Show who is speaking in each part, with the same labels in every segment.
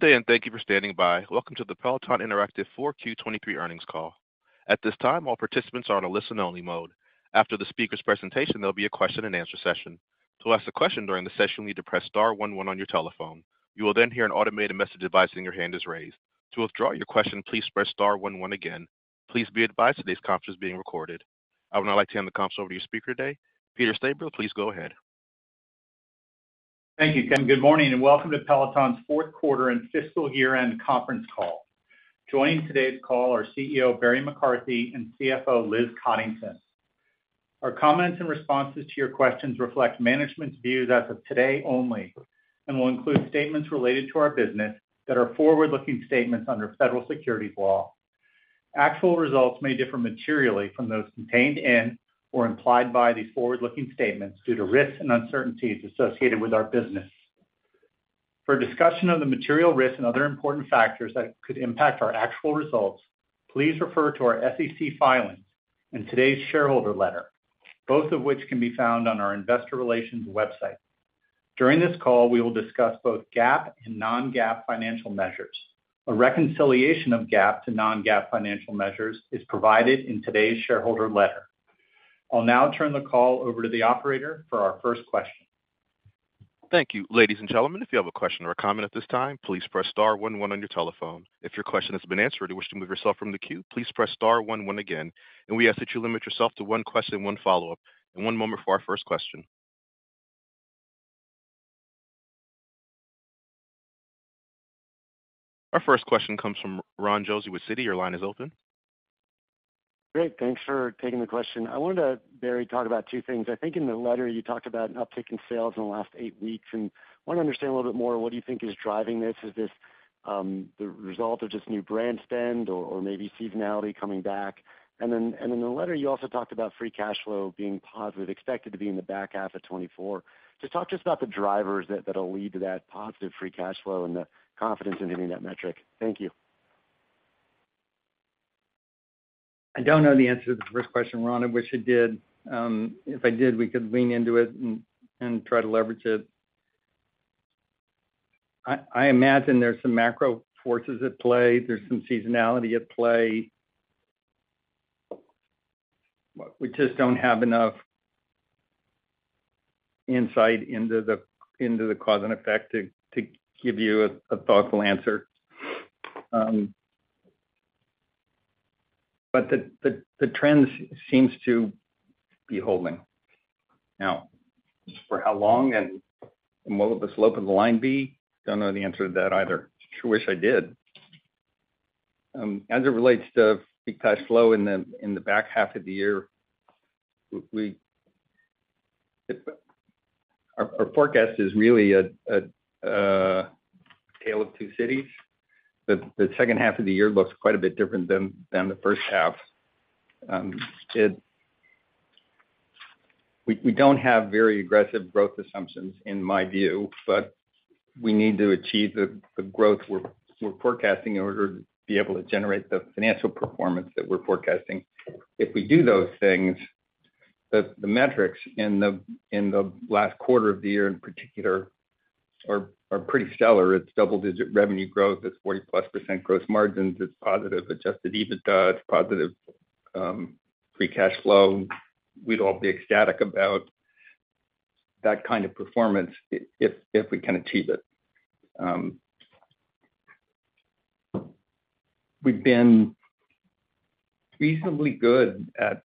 Speaker 1: Good day. Thank you for standing by. Welcome to the Peloton Interactive 4Q 2023 earnings call. At this time, all participants are on a listen-only mode. After the speaker's presentation, there'll be a question-and-answer session. To ask a question during the session, you'll need to press star one one on your telephone. You will then hear an automated message advising your hand is raised. To withdraw your question, please press star one one again. Please be advised today's conference is being recorded. I would now like to hand the conference over to your speaker today, Peter Stabler. Please go ahead.
Speaker 2: Thank you, Tim. Good morning. Welcome to Peloton's fourth quarter and fiscal year-end conference call. Joining today's call are CEO, Barry McCarthy, and CFO, Liz Coddington. Our comments and responses to your questions reflect management's views as of today only and will include statements related to our business that are forward-looking statements under federal securities law. Actual results may differ materially from those contained in or implied by these forward-looking statements due to risks and uncertainties associated with our business. For a discussion of the material risks and other important factors that could impact our actual results, please refer to our SEC filings and today's shareholder letter, both of which can be found on our investor relations website. During this call, we will discuss both GAAP and Non-GAAP financial measures. A reconciliation of GAAP to Non-GAAP financial measures is provided in today's shareholder letter. I'll now turn the call over to the operator for our first question.
Speaker 1: Thank you. Ladies and gentlemen, if you have a question or a comment at this time, please press star one one on your telephone. If your question has been answered or wish to move yourself from the queue, please press star 11 again, and we ask that you limit yourself to one question and one follow-up. One moment for our first question. Our first question comes from Ronald Josey with Citi. Your line is open.
Speaker 3: Great. Thanks for taking the question. I wanted to, Barry, talk about two things. I think in the letter you talked about an uptick in sales in the last eight weeks, and wanna understand a little bit more, what do you think is driving this? Is this the result of just new brand spend or, or maybe seasonality coming back? In the letter, you also talked about Free cash flow being positive, expected to be in the back half of 2024. Just talk to us about the drivers that, that'll lead to that positive Free cash flow and the confidence in hitting that metric. Thank you.
Speaker 4: I don't know the answer to the first question, Ron. I wish it did. If I did, we could lean into it and, and try to leverage it. I, I imagine there's some macro forces at play. There's some seasonality at play. We just don't have enough insight into the, into the cause and effect to, to give you a, a thoughtful answer. The, the, the trend seems to be holding. Now, for how long and what will the slope of the line be? Don't know the answer to that either. Sure wish I did. As it relates to Free Cash Flow in the, in the back half of the year, Our, our forecast is really a, a, a tale of two cities. The, the second half of the year looks quite a bit different than, than the first half. We don't have very aggressive growth assumptions in my view, but we need to achieve the growth we're forecasting in order to be able to generate the financial performance that we're forecasting. If we do those things, the metrics in the last quarter of the year, in particular, are pretty stellar. It's double-digit revenue growth. It's 40+ % gross margins. It's positive Adjusted EBITDA. It's positive Free Cash Flow. We'd all be ecstatic about that kind of performance if we can achieve it. We've been reasonably good at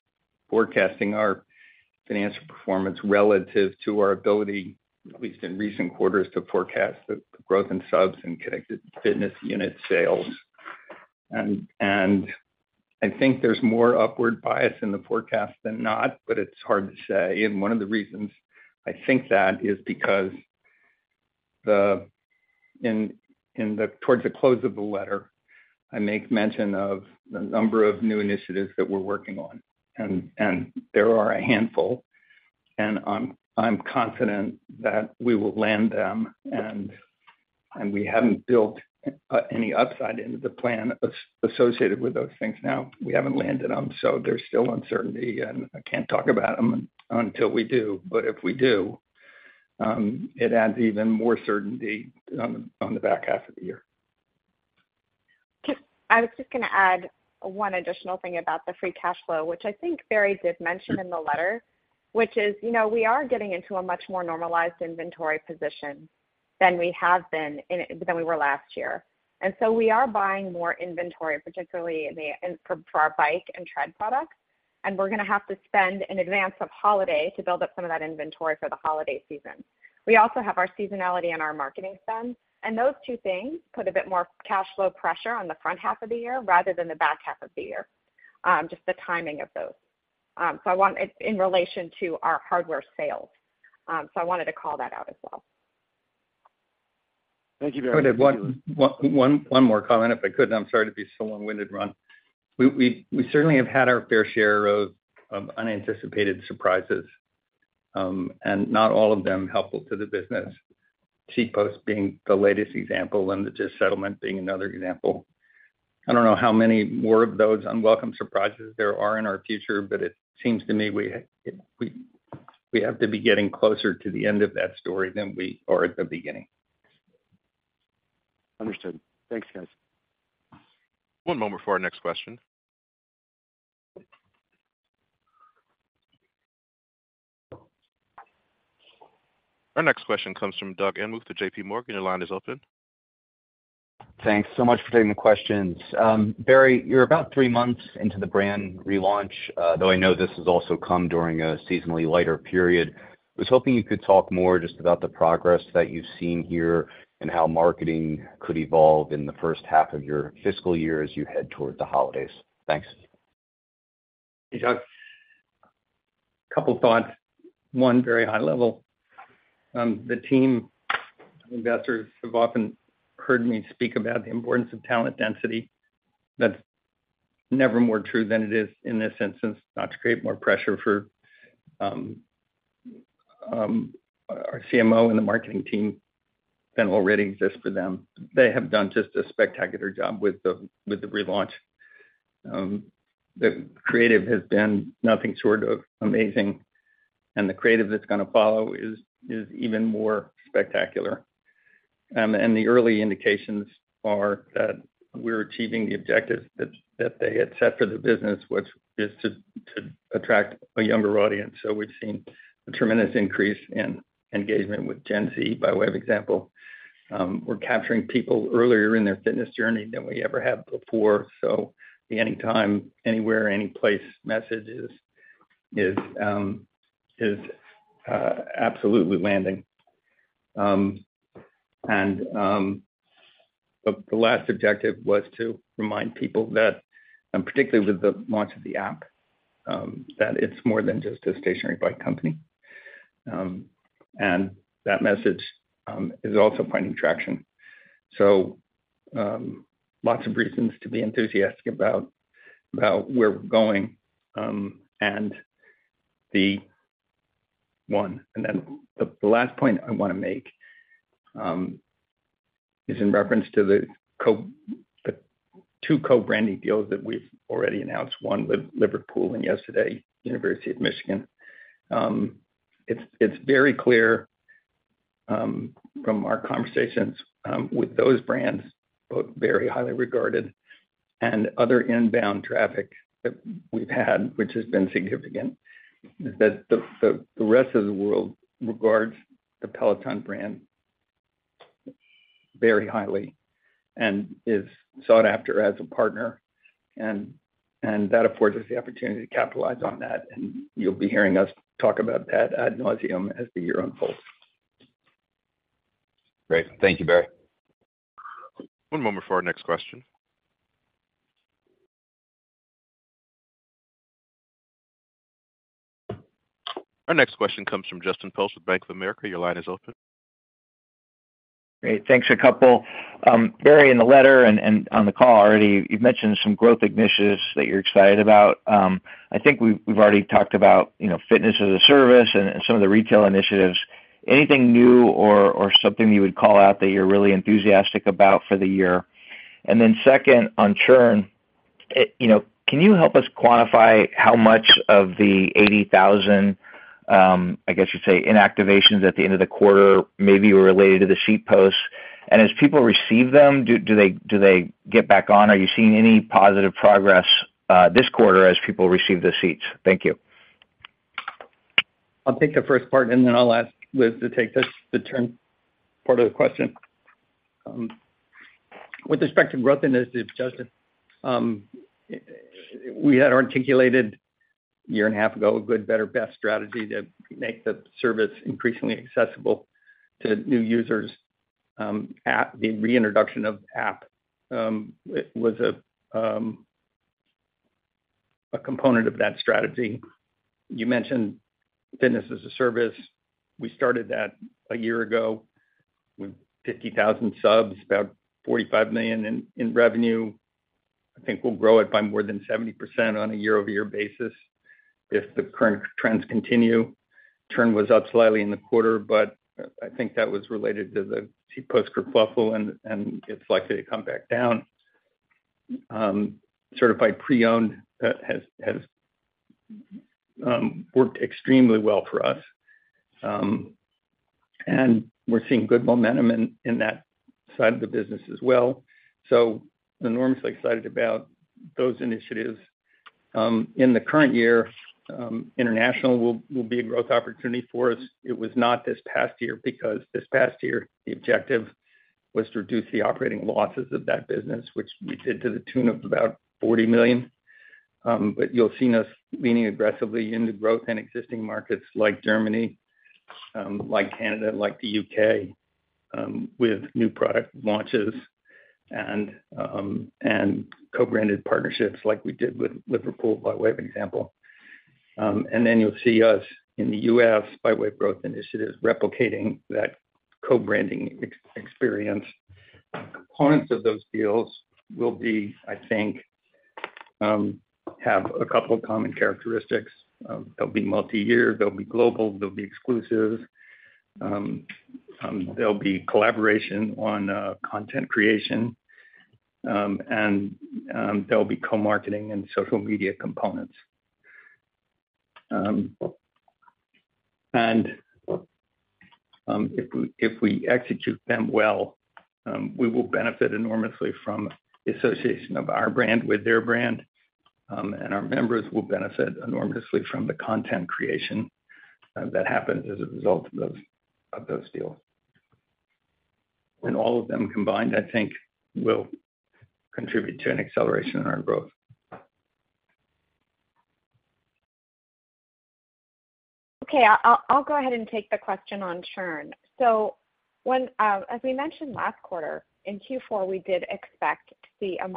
Speaker 4: forecasting our financial performance relative to our ability, at least in recent quarters, to forecast the growth in subs and connected fitness unit sales. I think there's more upward bias in the forecast than not, but it's hard to say. One of the reasons I think that is because towards the close of the letter, I make mention of the number of new initiatives that we're working on, and, and there are a handful, and I'm, I'm confident that we will land them, and, and we haven't built any upside into the plan as-associated with those things. Now, we haven't landed them, so there's still uncertainty, and I can't talk about them until we do. If we do, it adds even more certainty on the, on the back half of the year.
Speaker 5: I was just gonna add one additional thing about the Free Cash Flow, which I think Barry did mention in the letter, which is, you know, we are getting into a much more normalized inventory position than we have been than we were last year. So we are buying more inventory, particularly for, for our bike and tread products, and we're gonna have to spend in advance of holiday to build up some of that inventory for the holiday season. We also have our seasonality and our marketing spend, those two things put a bit more cash flow pressure on the front half of the year rather than the back half of the year, just the timing of those. It's in relation to our hardware sales. I wanted to call that out as well.
Speaker 3: Thank you very much.
Speaker 4: One more comment, if I could, and I'm sorry to be so long-winded, Ron. We certainly have had our fair share of unanticipated surprises, and not all of them helpful to the business. Seat Post being the latest example, and the Dish Settlement being another example. I don't know how many more of those unwelcome surprises there are in our future, but it seems to me we have to be getting closer to the end of that story than we are at the beginning.
Speaker 2: Understood. Thanks, guys.
Speaker 1: One moment for our next question. Our next question comes from Doug Anmuth with JPMorgan. Your line is open.
Speaker 6: Thanks so much for taking the questions. Barry, you're about three months into the brand relaunch. Though I know this has also come during a seasonally lighter period. I was hoping you could talk more just about the progress that you've seen here and how marketing could evolve in the first half of your fiscal year as you head toward the holidays. Thanks.
Speaker 4: Hey, Doug. Couple thoughts. One, very high level. The team, investors have often heard me speak about the importance of talent density. That's never more true than it is in this instance, not to create more pressure for our CMO and the marketing team than already exists for them. They have done just a spectacular job with the, with the relaunch. The creative has been nothing short of amazing, and the creative that's gonna follow is, is even more spectacular. The early indications are that we're achieving the objectives that, that they had set for the business, which is to, to attract a younger audience. We've seen a tremendous increase in engagement with Gen Z, by way of example. We're capturing people earlier in their fitness journey than we ever have before. The anytime, anywhere, any place message is, is, absolutely landing. The last objective was to remind people that, and particularly with the launch of the app, that it's more than just a stationary bike company, and that message, is also finding traction. Lots of reasons to be enthusiastic about, about where we're going. Then the, the last point I wanna make, is in reference to the co- the two co-branding deals that we've already announced, one with Liverpool, and yesterday, University of Michigan. It's, it's very clear from our conversations with those brands, both very highly regarded, and other inbound traffic that we've had, which has been significant, that the, the, the rest of the world regards the Peloton brand very highly and is sought after as a partner, and that affords us the opportunity to capitalize on that, and you'll be hearing us talk about that ad nauseam as the year unfolds.
Speaker 6: Great. Thank you, Barry.
Speaker 1: One moment for our next question. Our next question comes from Justin Post with Bank of America. Your line is open.
Speaker 7: Great. Thanks, a couple. Barry, in the letter and, and on the call already, you've mentioned some growth initiatives that you're excited about. I think we've, we've already talked about, you know, Fitness-as-a-Service and, and some of the retail initiatives. Anything new or, or something you would call out that you're really enthusiastic about for the year? Then second, on churn, it, you know, can you help us quantify how much of the 80,000 subscribers, I guess you'd say, inactivations at the end of the quarter maybe were related to the Seat Posts? As people receive them, do, do they, do they get back on? Are you seeing any positive progress, this quarter as people receive the seats? Thank you.
Speaker 4: I'll take the first part, then I'll ask Liz to take the churn part of the question. With respect to growth initiatives, Justin, we had articulated a year and a half ago, a good, better, best strategy to make the service increasingly accessible to new users. App, the reintroduction of app, was a component of that strategy. You mentioned Fitness-as-a-Service. We started that a year ago with 50,000 subs, about $45 million in revenue. I think we'll grow it by more than 70% on a year-over-year basis if the current trends continue. Churn was up slightly in the quarter, but I think that was related to the Seat Post kerfuffle, and it's likely to come back down. certified pre-owned, has, has, worked extremely well for us, and we're seeing good momentum in that side of the business as well. Enormously excited about those initiatives. In the current year, international will, will be a growth opportunity for us. It was not this past year because this past year, the objective was to reduce the operating losses of that business, which we did to the tune of about $40 million. You'll seen us leaning aggressively into growth in existing markets like Germany, like Canada, like the U.K., with new product launches and co-branded partnerships like we did with Liverpool, by way of example. Then you'll see us in the U.S., by way of growth initiatives, replicating that co-branding experience. Components of those deals will be, I think... have a couple of common characteristics. They'll be multi-year, they'll be global, they'll be exclusive. They'll be collaboration on content creation, and there'll be co-marketing and social media components. If we, if we execute them well, we will benefit enormously from the association of our brand with their brand, and our members will benefit enormously from the content creation that happens as a result of those, of those deals. All of them combined, I think, will contribute to an acceleration in our growth.
Speaker 5: Okay, I'll, I'll go ahead and take the question on churn. When, as we mentioned last quarter, in Q4, we did expect to see a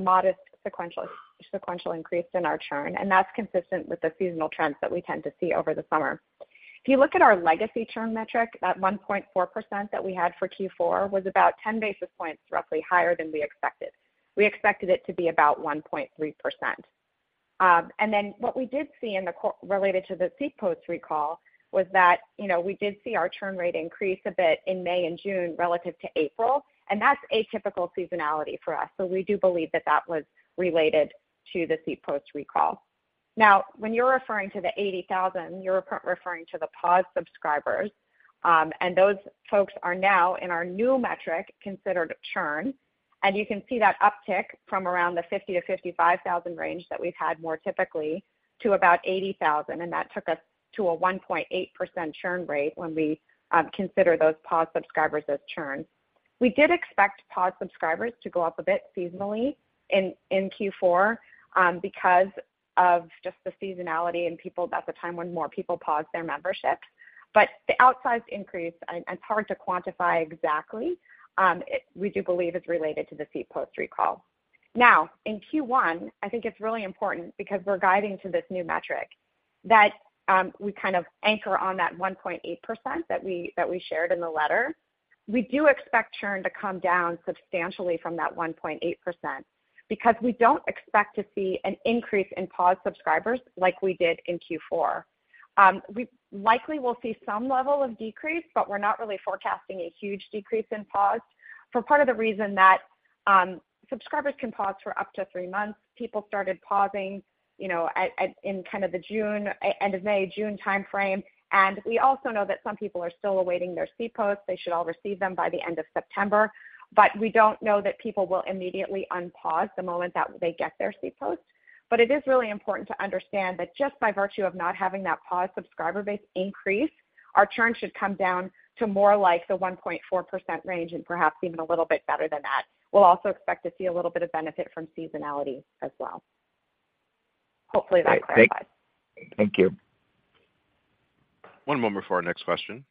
Speaker 5: modest sequential, sequential increase in our churn, and that's consistent with the seasonal trends that we tend to see over the summer. If you look at our legacy churn metric, that 1.4% that we had for Q4 was about 10 basis points, roughly higher than we expected. We expected it to be about 1.3%. And then what we did see in the related to the Seat Post recall was that, you know, we did see our churn rate increase a bit in May and June relative to April, and that's atypical seasonality for us. We do believe that that was related to the Seat Post recall. Now, when you're referring to the 80,000, you're referring to the paused subscribers, and those folks are now in our new metric, considered churn. You can see that uptick from around the 50,000 subs-55,000 subs range that we've had more typically to about 80,000 subs, and that took us to a 1.8% churn rate when we consider those paused subscribers as churn. We did expect paused subscribers to go up a bit seasonally in Q4, because of just the seasonality and people. That's the time when more people pause their membership. The outsized increase, and, and it's hard to quantify exactly, we do believe is related to the Seat Post recall. Now, in Q1, I think it's really important because we're guiding to this new metric, that we kind of anchor on that 1.8% that we, that we shared in the letter. We do expect churn to come down substantially from that 1.8% because we don't expect to see an increase in paused subscribers like we did in Q4. We likely will see some level of decrease, but we're not really forecasting a huge decrease in paused for part of the reason that subscribers can pause for up to three months. People started pausing, you know, at, at, in kind of the June, end of May, June time frame. We also know that some people are still awaiting their Seat Post. They should all receive them by the end of September. We don't know that people will immediately unpause the moment that they get their Seat Post. It is really important to understand that just by virtue of not having that paused subscriber base increase, our churn should come down to more like the 1.4% range and perhaps even a little bit better than that. We'll also expect to see a little bit of benefit from seasonality as well. Hopefully, that clarifies.
Speaker 7: Thank you.
Speaker 1: One moment before our next question.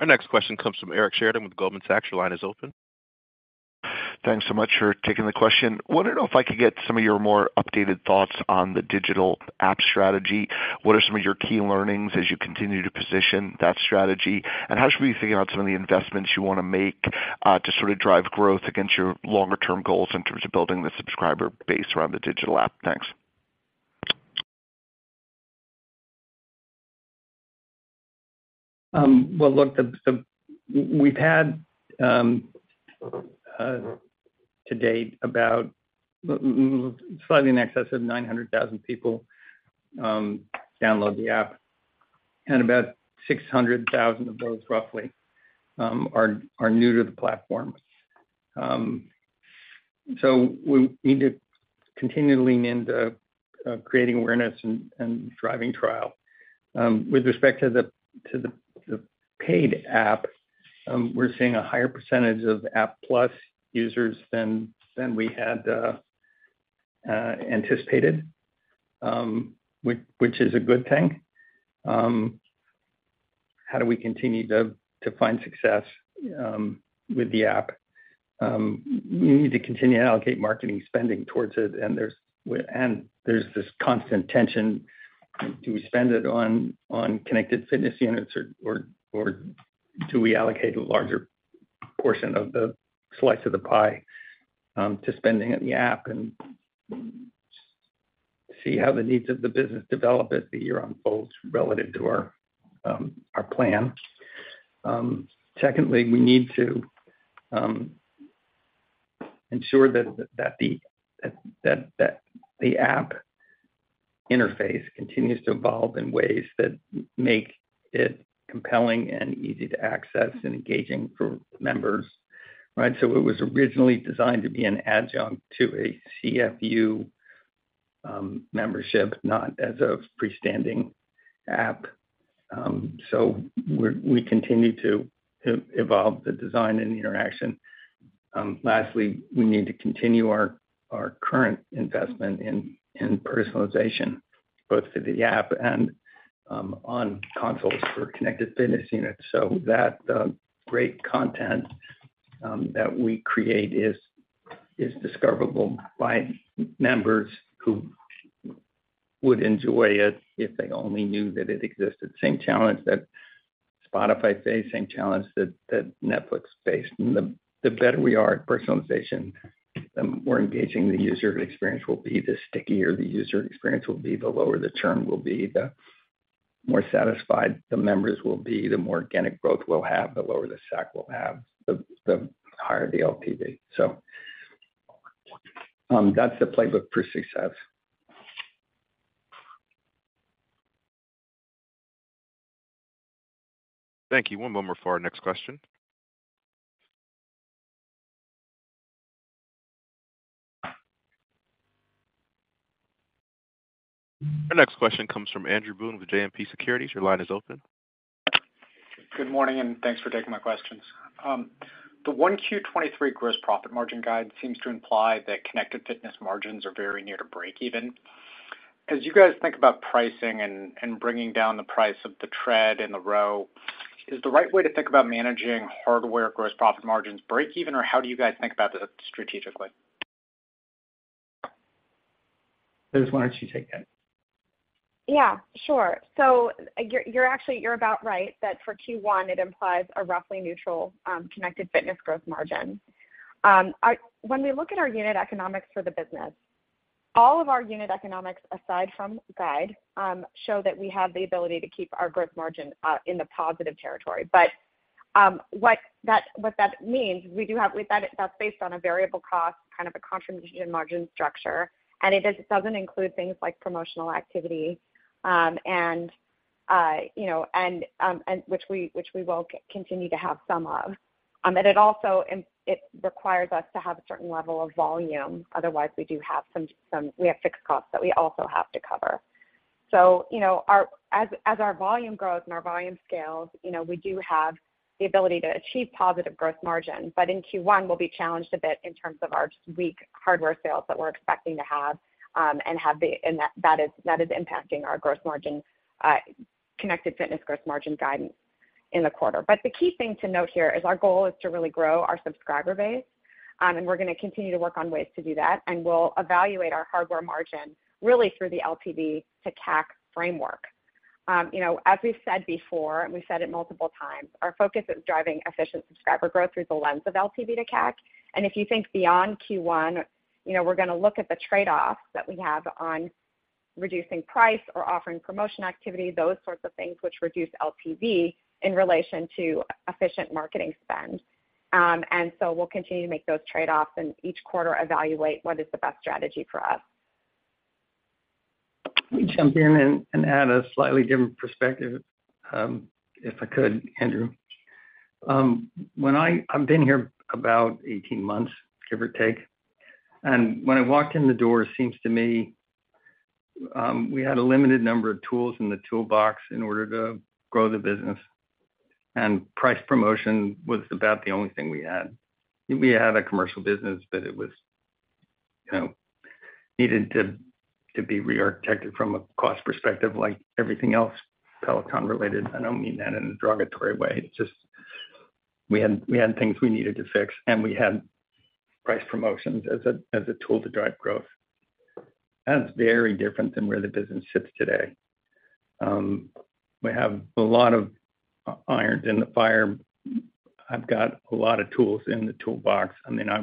Speaker 1: Our next question comes from Eric Sheridan with Goldman Sachs. Your line is open.
Speaker 8: Thanks so much for taking the question. Wondering if I could get some of your more updated thoughts on the digital app strategy. What are some of your key learnings as you continue to position that strategy? How should we figure out some of the investments you wanna make, to sort of drive growth against your longer-term goals in terms of building the subscriber base around the digital app? Thanks.
Speaker 4: Well, look, the, the... We've had to date about slightly in excess of 900,000 people download the app, and about 600,000 of those, roughly, are new to the platform. We need to continually lean into creating awareness and driving trial. With respect to the, to the, the paid app, we're seeing a higher percentage of Peloton App+ users than we had anticipated, which is a good thing. How do we continue to find success with the app? We need to continue to allocate marketing spending towards it, and there's this constant tension. Do we spend it on, on connected fitness units, or, or, or do we allocate a larger portion of the slice of the pie, to spending at the app and see how the needs of the business develop as the year unfolds relative to our, our plan? Secondly, we need to ensure that, that the, that, that, that the app interface continues to evolve in ways that make it compelling and easy to access and engaging for members, right? It was originally designed to be an adjunct to a CFU, membership, not as a freestanding app. We continue to evolve the design and the interaction. Lastly, we need to continue our, our current investment in, in personalization, both to the app and on consoles for connected fitness units, so that great content that we create is discoverable by members would enjoy it if they only knew that it existed. Same challenge that Spotify face, same challenge that Netflix face. The better we are at personalization, the more engaging the user experience will be, the stickier the user experience will be, the lower the churn will be, the more satisfied the members will be, the more organic growth we'll have, the lower the SAC will have, the higher the LTV. That's the playbook for success.
Speaker 1: Thank you. One moment for our next question. Our next question comes from Andrew Boone with JMP Securities. Your line is open.
Speaker 9: Good morning, and thanks for taking my questions. The Q1 2023 gross profit margin guide seems to imply that Connected Fitness margins are very near to breakeven. As you guys think about pricing and bringing down the price of the tread and the Row, is the right way to think about managing hardware gross profit margins breakeven, or how do you guys think about this strategically?
Speaker 4: Liz, why don't you take that?
Speaker 5: Yeah, sure. You're, you're actually-- you're about right, that for Q1, it implies a roughly neutral connected fitness growth margin. I-- when we look at our unit economics for the business, all of our unit economics, aside from Guide, show that we have the ability to keep our growth margin in the positive territory. What that, what that means, we do have-- we've got it, that's based on a variable cost, kind of a contribution margin structure, and it does-- it doesn't include things like promotional activity, and, you know, and which we, which we will continue to have some of. It also, and it requires us to have a certain level of volume. Otherwise, we do have some, some-- we have fixed costs that we also have to cover. You know, as our volume grows and our volume scales, you know, we do have the ability to achieve positive growth margin. In Q1, we'll be challenged a bit in terms of our weak hardware sales that we're expecting to have, and that is impacting our gross margin, Connected Fitness gross margin guidance in the quarter. The key thing to note here is our goal is to really grow our subscriber base, and we're gonna continue to work on ways to do that, and we'll evaluate our hardware margin really through the LTV to CAC framework. You know, as we've said before, and we've said it multiple times, our focus is driving efficient subscriber growth through the lens of LTV to CAC. If you think beyond Q1, you know, we're gonna look at the trade-offs that we have on reducing price or offering promotion activity, those sorts of things which reduce LTV in relation to efficient marketing spend. So we'll continue to make those trade-offs, and each quarter, evaluate what is the best strategy for us.
Speaker 4: Let me jump in and add a slightly different perspective, if I could, Andrew. When I've been here about 18 months, give or take, and when I walked in the door, it seems to me, we had a limited number of tools in the toolbox in order to grow the business. Price promotion was about the only thing we had. We had a commercial business. It was, you know, needed to be rearchitected from a cost perspective, like everything else, Peloton related. I don't mean that in a derogatory way. It's just, we had, we had things we needed to fix. We had price promotions as a tool to drive growth. That's very different than where the business sits today. We have a lot of irons in the fire. I've got a lot of tools in the toolbox. I mean, I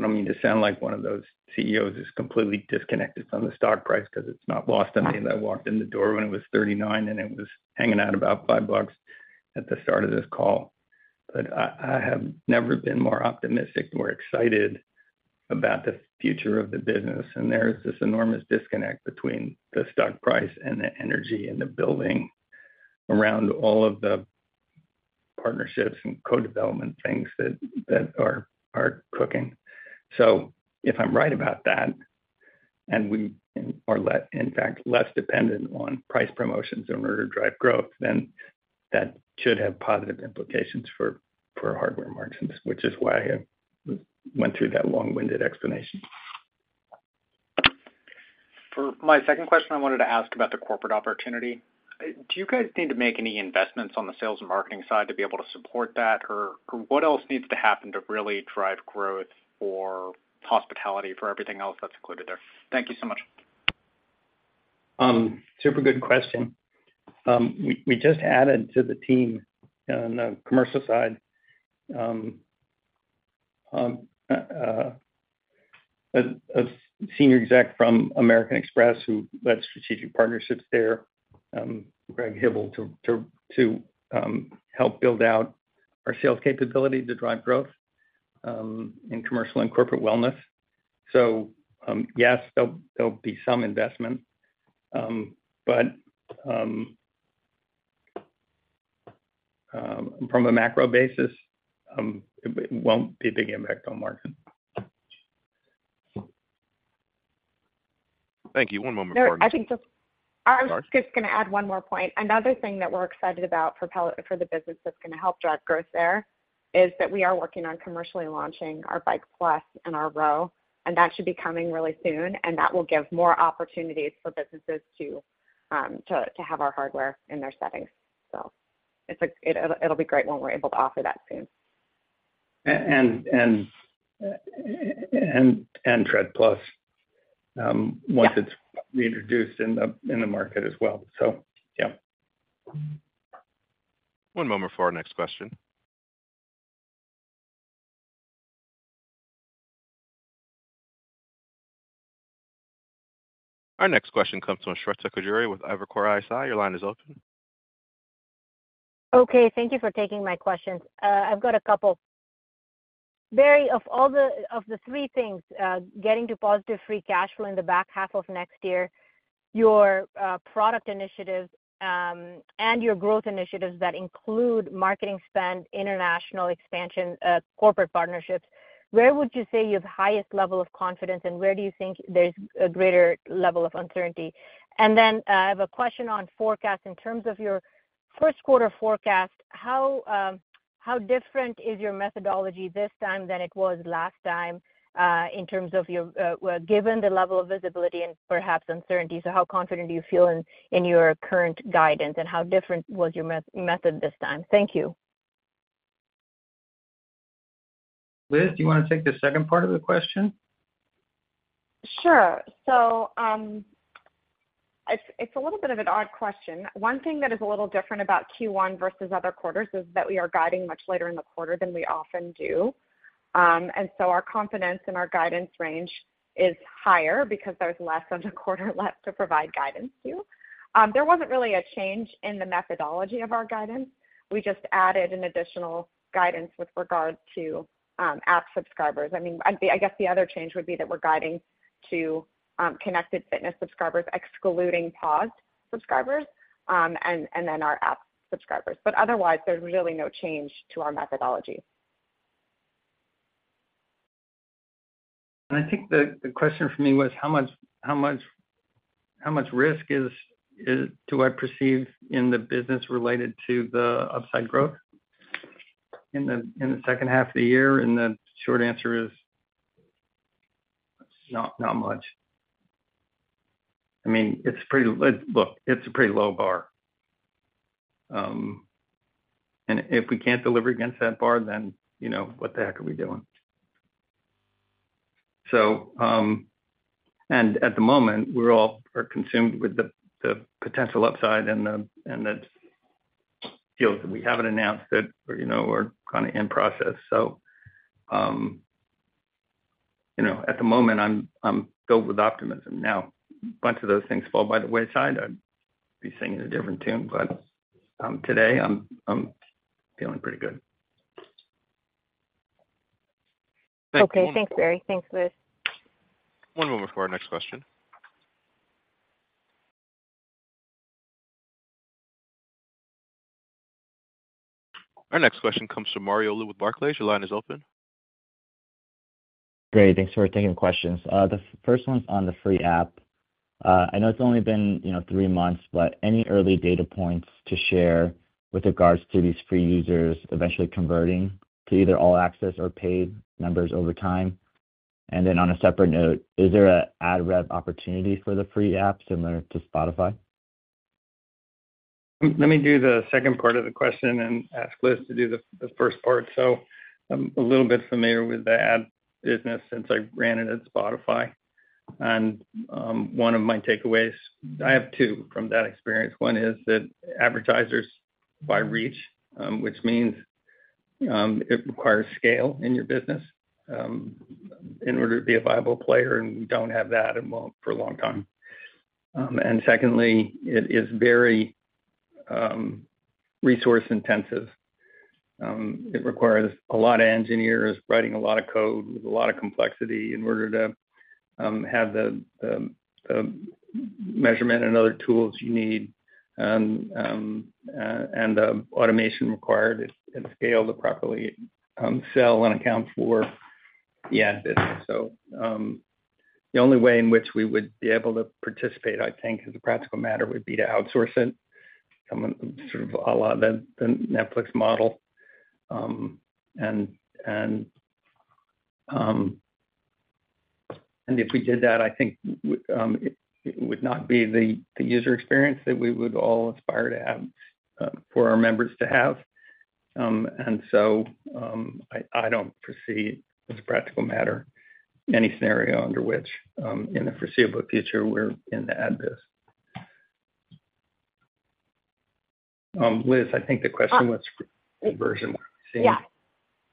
Speaker 4: don't mean to sound like one of those CEOs who's completely disconnected from the stock price because it's not lost on me that I walked in the door when it was 39, and it was hanging out about $5 at the start of this call. I, I have never been more optimistic or excited about the future of the business, and there is this enormous disconnect between the stock price and the energy in the building around all of the partnerships and co-development things that, that are, are cooking. If I'm right about that, and we are in fact, less dependent on price promotions in order to drive growth, then that should have positive implications for, for hardware margins, which is why I went through that long-winded explanation.
Speaker 9: For my second question, I wanted to ask about the corporate opportunity. Do you guys need to make any investments on the sales and marketing side to be able to support that? Or, or what else needs to happen to really drive growth for hospitality, for everything else that's included there? Thank you so much.
Speaker 4: Super good question. We, we just added to the team on the commercial side, a senior exec from American Express who led strategic partnerships there, Greg Hybl, to help build out our sales capability to drive growth in commercial and corporate wellness. Yes, there'll, there'll be some investment. From a macro basis, it won't be a big impact on margin.
Speaker 2: Thank you. One moment for-
Speaker 5: No, I think.
Speaker 2: Sorry.
Speaker 5: I was just gonna add one more point. Another thing that we're excited about for Peloton, for the business that's gonna help drive growth there is that we are working on commercially launching our Bike+ and our Row, and that should be coming really soon, and that will give more opportunities for businesses to, to, to have our hardware in their settings. It'll be great when we're able to offer that soon....
Speaker 4: And, and, and, and Tread+, once it's reintroduced in the, in the market as well. Yeah.
Speaker 1: One moment for our next question. Our next question comes from Shweta Khajuria with Evercore ISI. Your line is open.
Speaker 10: Okay, thank you for taking my questions. I've got a couple. Barry, of all the three things, getting to positive Free Cash Flow in the back half of next year, your product initiatives, and your growth initiatives that include marketing spend, international expansion, corporate partnerships, where would you say you have the highest level of confidence, and where do you think there's a greater level of uncertainty? Then, I have a question on forecast. In terms of your first quarter forecast, how different is your methodology this time than it was last time, in terms of your, well, given the level of visibility and perhaps uncertainty. How confident do you feel in, in your current guidance, and how different was your method this time? Thank you.
Speaker 4: Liz, do you wanna take the second part of the question?
Speaker 5: Sure. It's, it's a little bit of an odd question. One thing that is a little different about Q1 versus other quarters is that we are guiding much later in the quarter than we often do. Our confidence in our guidance range is higher because there's less than a quarter left to provide guidance to. There wasn't really a change in the methodology of our guidance. We just added an additional guidance with regard to App subscribers. I mean, the other change would be that we're guiding to Connected Fitness subscribers, excluding paused subscribers, and then our App subscribers. Otherwise, there's really no change to our methodology.
Speaker 4: I think the, the question for me was how much, how much, how much risk do I perceive in the business related to the upside growth in the, in the second half of the year? The short answer is, not, not much. I mean, it's pretty. Look, it's a pretty low bar. If we can't deliver against that bar, then, you know, what the heck are we doing? At the moment, we're all are consumed with the, the potential upside and the, and the deals that we haven't announced that, you know, we're kind of in process. You know, at the moment, I'm, I'm filled with optimism. Now, a bunch of those things fall by the wayside, I'd be singing a different tune, but today, I'm, I'm feeling pretty good.
Speaker 10: Okay. Thanks, Barry. Thanks, Liz.
Speaker 1: One moment for our next question. Our next question comes from Mario Lu with Barclays. Your line is open.
Speaker 11: Great. Thanks for taking questions. The first one's on the free app. I know it's only been, you know, 3 months, but any early data points to share with regards to these free users eventually converting to either all access or paid members over time? On a separate note, is there a ad rev opportunity for the free app similar to Spotify?
Speaker 4: Let me do the second part of the question and ask Liz to do the first part. I'm a little bit familiar with the ad business since I ran it at Spotify. One of my takeaways, I have two from that experience. One is that advertisers buy reach, which means it requires scale in your business in order to be a viable player, and we don't have that and won't for a long time. Secondly, it is very resource intensive. It requires a lot of engineers writing a lot of code with a lot of complexity in order to have the measurement and other tools you need and the automation required at scale to properly sell and account for the ad business. The only way in which we would be able to participate, I think, as a practical matter, would be to outsource it, sort of a la the Netflix model. If we did that, I think, it would not be the user experience that we would all aspire to have for our members to have. I don't foresee, as a practical matter, any scenario under which, in the foreseeable future, we're in the ad biz. Liz, I think the question was conversion.
Speaker 5: Yeah.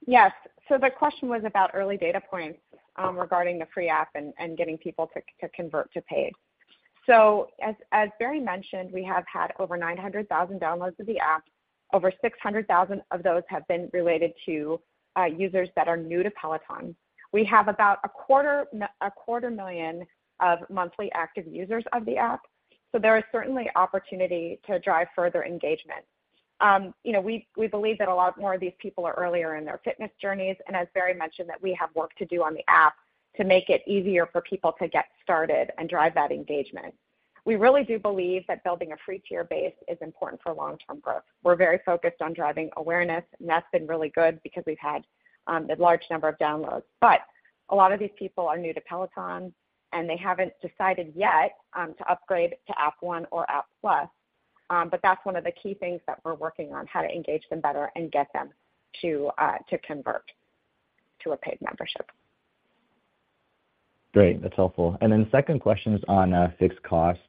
Speaker 5: Yes. The question was about early data points regarding the free app and, and getting people to, to convert to paid. As, as Barry mentioned, we have had over 900,000 downloads of the app. Over 600,000 of those have been related to users that are new to Peloton. We have about 250,000 monthly active users of the app, there is certainly opportunity to drive further engagement. You know, we, we believe that a lot more of these people are earlier in their fitness journeys, and as Barry mentioned, that we have work to do on the app to make it easier for people to get started and drive that engagement. We really do believe that building a free tier base is important for long-term growth. We're very focused on driving awareness, and that's been really good because we've had a large number of downloads. A lot of these people are new to Peloton, and they haven't decided yet to upgrade to App One or Peloton App+. That's one of the key things that we're working on, how to engage them better and get them to convert to a paid membership.
Speaker 11: Great. That's helpful. Then second question is on fixed costs.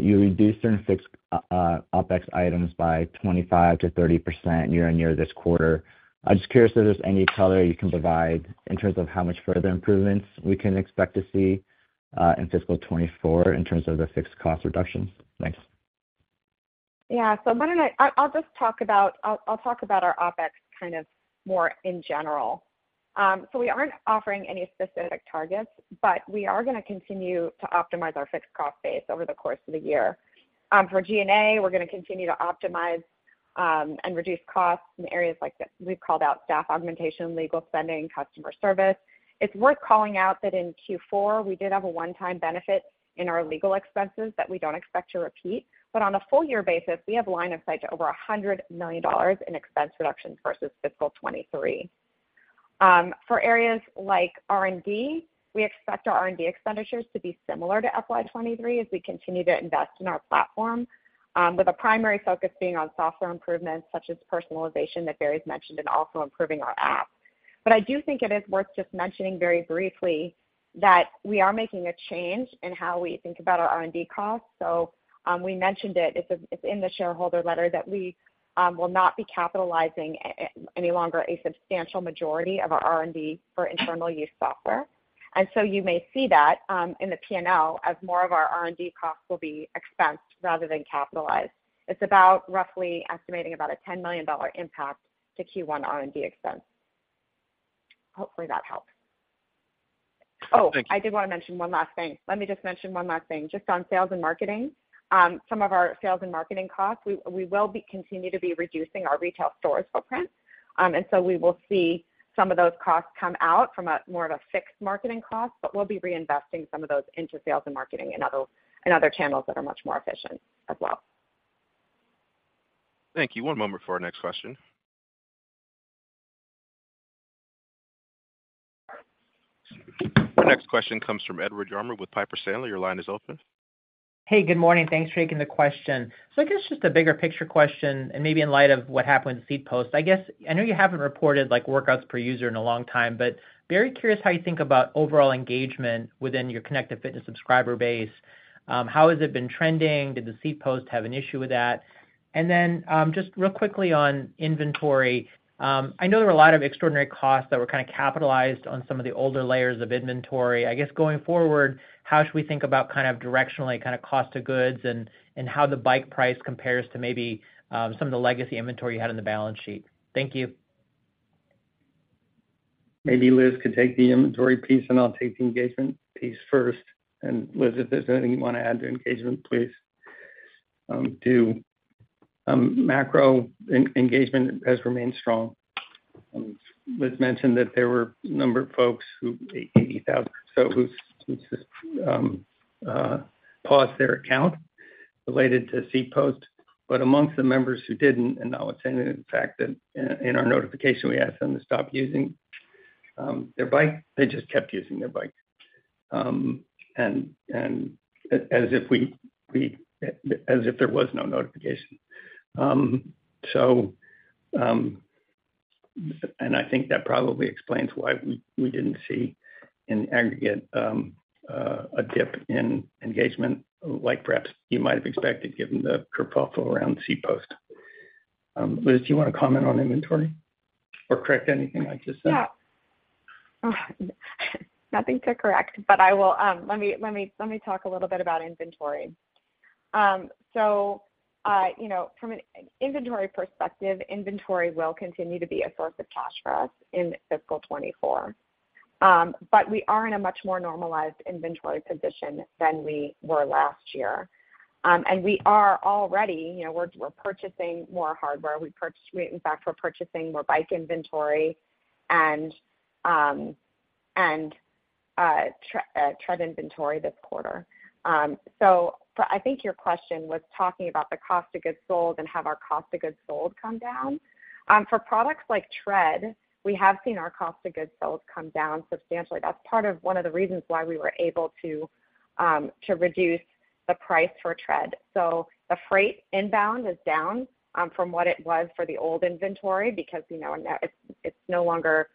Speaker 11: You reduced certain fixed OpEx items by 25%-30% year-on-year this quarter. I'm just curious if there's any color you can provide in terms of how much further improvements we can expect to see in Fiscal 2024 in terms of the fixed cost reductions. Thanks.
Speaker 5: Yeah. Why don't I just talk about our OpEx kind of more in general. We aren't offering any specific targets, but we are gonna continue to optimize our fixed cost base over the course of the year. For G&A, we're gonna continue to optimize and reduce costs in areas like we've called out staff augmentation, legal spending, customer service. It's worth calling out that in Q4, we did have a one-time benefit in our legal expenses that we don't expect to repeat. On a full year basis, we have line of sight to over $100 million in expense reductions versus Fiscal 2023. For areas like R&D, we expect our R&D expenditures to be similar to FY 2023 as we continue to invest in our platform, with a primary focus being on software improvements such as personalization that Barry's mentioned, and also improving our app. I do think it is worth just mentioning very briefly that we are making a change in how we think about our R&D costs. We mentioned it, it's in the shareholder letter that we will not be capitalizing any longer a substantial majority of our R&D for internal use software. You may see that in the P&L as more of our R&D costs will be expensed rather than capitalized. It's about roughly estimating about a $10 million impact to Q1 R&D expense. Hopefully, that helps.
Speaker 11: Thank you.
Speaker 5: Oh, I did wanna mention one last thing. Let me just mention one last thing. Just on sales and marketing, some of our sales and marketing costs, we continue to be reducing our retail stores footprint. We will see some of those costs come out from a more of a fixed marketing cost, but we'll be reinvesting some of those into sales and marketing and other, and other channels that are much more efficient as well.
Speaker 1: Thank you. One moment for our next question. Our next question comes from Edward Yruma with Piper Sandler. Your line is open.
Speaker 12: Hey, good morning. Thanks for taking the question. I guess just a bigger picture question, and maybe in light of what happened with Seat Post. I guess, I know you haven't reported, like, workouts per user in a long time, but very curious how you think about overall engagement within your Connected Fitness subscriber base. How has it been trending? Did the Seat Post have an issue with that? And then, just real quickly on inventory. I know there were a lot of extraordinary costs that were capitalized on some of the older layers of inventory. I guess, going forward, how should we think about kind of directionally, cost of goods and how the bike price compares to maybe some of the legacy inventory you had on the balance sheet? Thank you.
Speaker 4: Maybe Liz could take the inventory piece, and I'll take the engagement piece first. Liz, if there's anything you wanna add to engagement, please do. Macro engagement has remained strong. Liz mentioned that there were a number of folks who, 80,000 or so, who's, who's paused their account related to Seat Post. Amongst the members who didn't, and I'll attend to the fact that in, in our notification, we asked them to stop using their bike, they just kept using their bike. As if there was no notification. I think that probably explains why we didn't see in aggregate a dip in engagement, like, perhaps you might have expected, given the kerfuffle around Seat Post. Liz, do you wanna comment on inventory or correct anything I just said?
Speaker 5: Yeah. Nothing to correct, but I will talk a little bit about inventory. You know, from an inventory perspective, inventory will continue to be a source of cash for us in Fiscal 2024. We are in a much more normalized inventory position than we were last year. We are already, you know, we're purchasing more hardware. In fact, we're purchasing more Bike inventory and Tread inventory this quarter. I think your question was talking about the cost of goods sold and have our cost of goods sold come down. For products like Tread, we have seen our cost of goods sold come down substantially. That's part of one of the reasons why we were able to reduce the price for Tread. The freight inbound is down from what it was for the old inventory because, you know, it's, it's no longer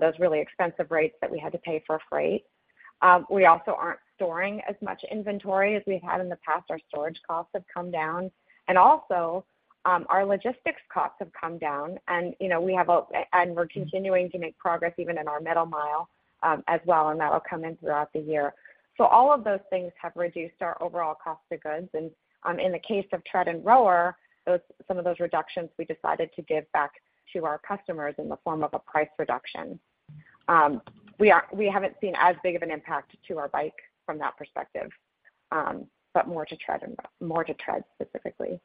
Speaker 5: those really expensive rates that we had to pay for freight. We also aren't storing as much inventory as we had in the past. Our storage costs have come down, and also, our logistics costs have come down. You know, we have and we're continuing to make progress even in our middle mile as well, and that will come in throughout the year. All of those things have reduced our overall cost of goods, and, in the case of Tread and Rower, some of those reductions, we decided to give back to our customers in the form of a price reduction. We are-- we haven't seen as big of an impact to our bike from that perspective, but more to Tread, specifically.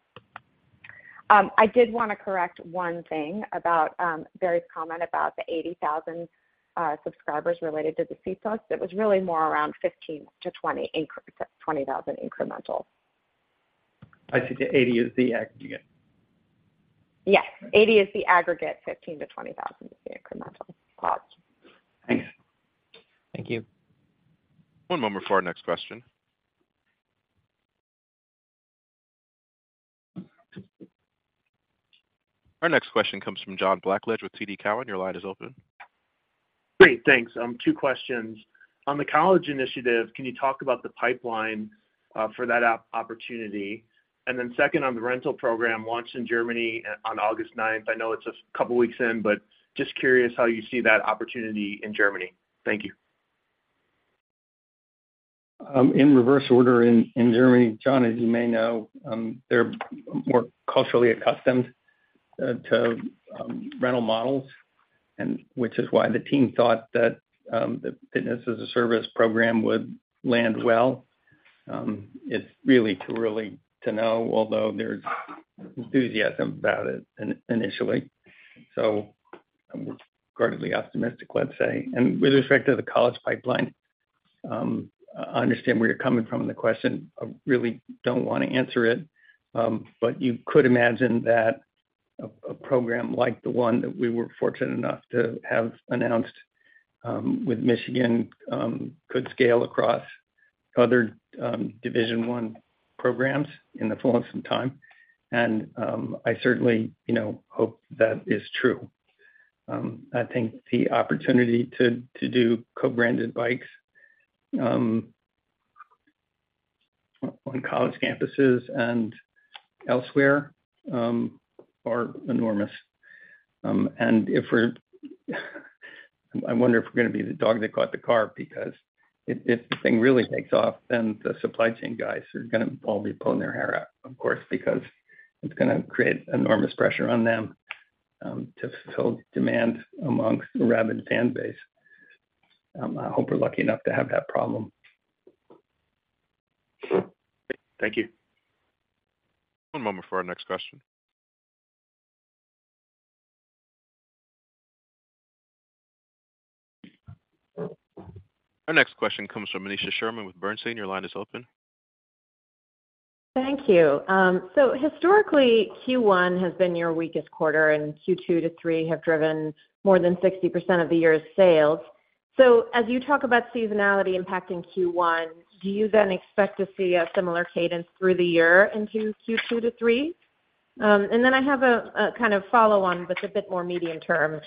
Speaker 5: I did wanna correct one thing about Barry's comment about the 80,000 subscribers related to the Seat Post. It was really more around 15,000 subscribers-20,000 subscribers, 20,000 incremental.
Speaker 4: I see the 80,000 subscribers is the aggregate.
Speaker 5: Yes, 80 is the aggregate, 15,000 subscribers-20,000 subscribers is the incremental. Got you.
Speaker 4: Thanks.
Speaker 12: Thank you.
Speaker 1: One moment for our next question. Our next question comes from John Blackledge with TD Cowen. Your line is open.
Speaker 13: Great, thanks. Two questions. On the college initiative, can you talk about the pipeline for that opportunity? Second on the rental program launched in Germany on August ninth. I know it's a couple of weeks in, but just curious how you see that opportunity in Germany. Thank you.
Speaker 4: In reverse order, in, in Germany, John, as you may know, they're more culturally accustomed to rental models, and which is why the team thought that the fitness-as-a-service program would land well. It's really too early to know, although there's enthusiasm about it initially. We're guardedly optimistic, let's say. With respect to the college pipeline, I understand where you're coming from in the question. I really don't want to answer it, but you could imagine that a program like the one that we were fortunate enough to have announced with Michigan could scale across other Division I programs in the fullness of time. I certainly, you know, hope that is true. I think the opportunity to do co-branded bikes on college campuses and elsewhere are enormous. I wonder if we're gonna be the dog that caught the car, because if, if the thing really takes off, then the supply chain guys are gonna all be pulling their hair out, of course, because it's gonna create enormous pressure on them to fulfill demand amongst the rabid fan base. I hope we're lucky enough to have that problem.
Speaker 13: Thank you.
Speaker 1: One moment for our next question. Our next question comes from Aneesha Sherman with Bernstein. Your line is open.
Speaker 14: Thank you. Historically, Q1 has been your weakest quarter, and Q2-Q3have driven more than 60% of the year's sales. As you talk about seasonality impacting Q1, do you then expect to see a similar cadence through the year into Q2-Q3? Then I have a, a kind of follow-on, but it's a bit more medium term.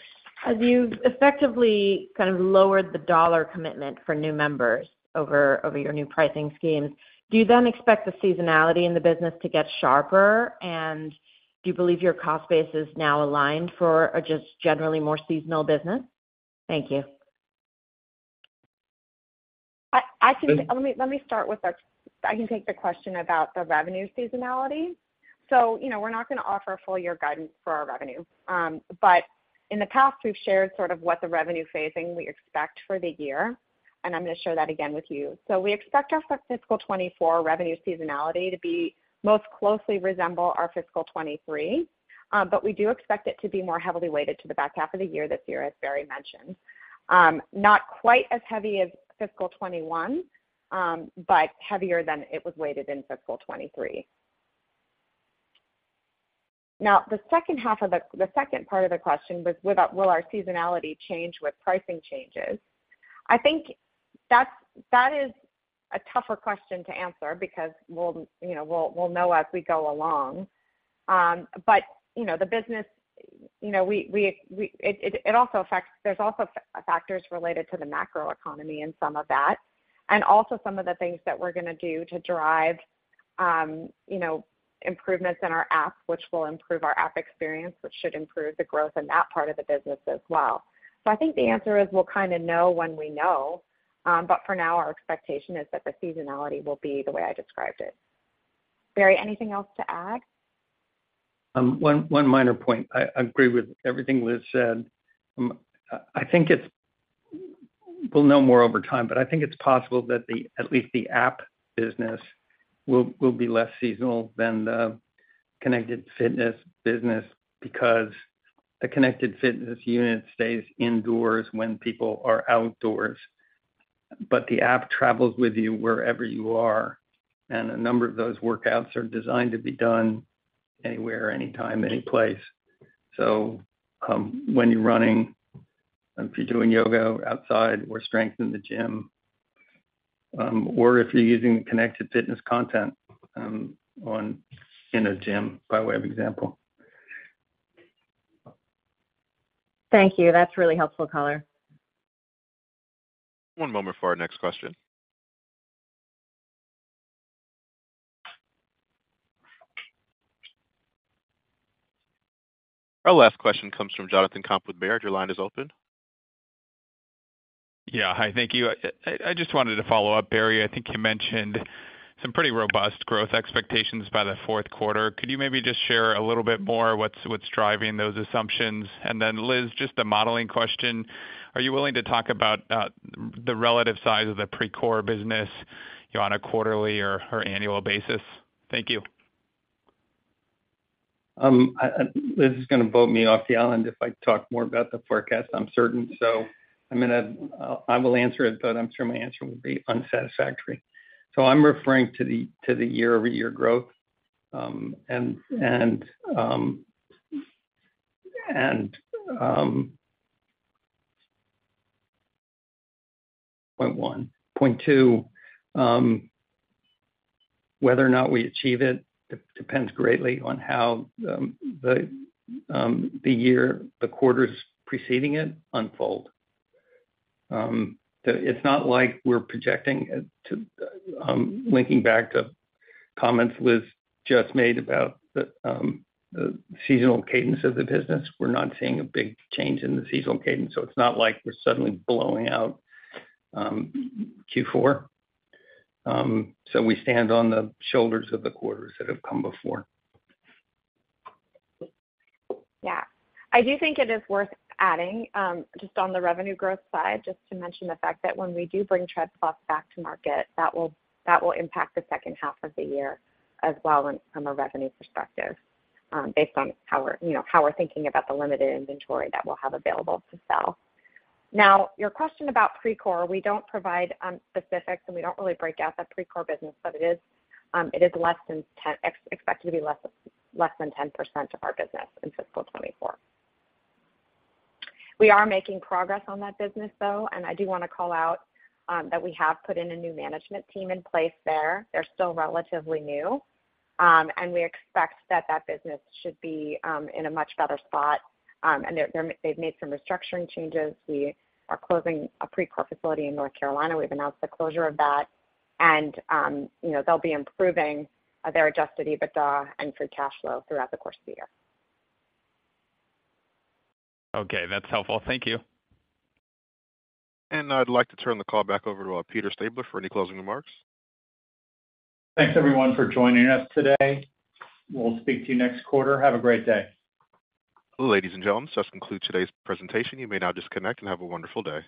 Speaker 14: As you've effectively kind of lowered the dollar commitment for new members over, over your new pricing schemes, do you then expect the seasonality in the business to get sharper? Do you believe your cost base is now aligned for a just generally more seasonal business? Thank you.
Speaker 5: Let me, let me start with the. I can take the question about the revenue seasonality. You know, we're not gonna offer full year guidance for our revenue. In the past, we've shared sort of what the revenue phasing we expect for the year, and I'm gonna share that again with you. We expect our fiscal 2024 revenue seasonality to be most closely resemble our fiscal 2023, but we do expect it to be more heavily weighted to the back half of the year this year, as Barry mentioned. Not quite as heavy as fiscal 2021, but heavier than it was weighted in fiscal 2023. The second part of the question was, will our seasonality change with pricing changes? I think that's, that is a tougher question to answer because we'll, you know, we'll, we'll know as we go along. You know, the business, you know, it also affects, there's also factors related to the macroeconomy in some of that, and also some of the things that we're gonna do to drive, you know, improvements in our app, which will improve our app experience, which should improve the growth in that part of the business as well. I think the answer is we'll kinda know when we know, but for now, our expectation is that the seasonality will be the way I described it. Barry, anything else to add?
Speaker 4: One, one minor point. I, I agree with everything Liz said. I, I think it's-- we'll know more over time, but I think it's possible that the, at least the app business will, will be less seasonal than the Connected Fitness business because the Connected Fitness unit stays indoors when people are outdoors, but the app travels with you wherever you are, and a number of those workouts are designed to be done anywhere, anytime, any place. When you're running, if you're doing yoga outside or strength in the gym, or if you're using Connected Fitness content, on, in a gym, by way of example.
Speaker 14: Thank you. That's really helpful color.
Speaker 1: One moment for our next question. Our last question comes from Jonathan Komp with Baird. Your line is open.
Speaker 15: Yeah. Hi, thank you. I, I just wanted to follow up, Barry, I think you mentioned some pretty robust growth expectations by the fourth quarter. Could you maybe just share a little bit more what's, what's driving those assumptions? Then, Liz, just a modeling question, are you willing to talk about the relative size of the Precor business, you know, on a quarterly or, or annual basis? Thank you.
Speaker 4: I, I-- Liz is gonna vote me off the island if I talk more about the forecast, I'm certain. I'm gonna-- I will answer it, but I'm sure my answer will be unsatisfactory. I'm referring to the, to the year-over-year growth, and, and, and... Point one. Point two, whether or not we achieve it, depends greatly on how the, the year, the quarters preceding it unfold. The-- it's not like we're projecting to, linking back to comments Liz just made about the seasonal cadence of the business. We're not seeing a big change in the seasonal cadence, so it's not like we're suddenly blowing out Q4. We stand on the shoulders of the quarters that have come before.
Speaker 5: Yeah. I do think it is worth adding, just on the revenue growth side, just to mention the fact that when we do bring Peloton Tread+ back to market, that will, that will impact the second half of the year as well from a revenue perspective, based on how we're, you know, how we're thinking about the limited inventory that we'll have available to sell. Now, your question about Precor, we don't provide specifics, and we don't really break out that Precor business, but it is, it is expected to be less, less than 10% of our business in Fiscal 2024. We are making progress on that business, though, and I do want to call out that we have put in a new management team in place there. They're still relatively new. We expect that that business should be in a much better spot, and they're, they're, they've made some restructuring changes. We are closing a Precor facility in North Carolina. We've announced the closure of that, you know, they'll be improving their Adjusted EBITDA and Free Cash Flow throughout the course of the year.
Speaker 15: Okay, that's helpful. Thank you.
Speaker 1: I'd like to turn the call back over to Peter Stabler for any closing remarks.
Speaker 2: Thanks, everyone, for joining us today. We'll speak to you next quarter. Have a great day.
Speaker 1: Ladies and gentlemen, this concludes today's presentation. You may now disconnect and have a wonderful day.